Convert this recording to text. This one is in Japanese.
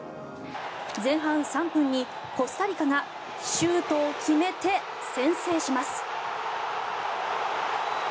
前半３分にコスタリカがシュートを決めて先制します。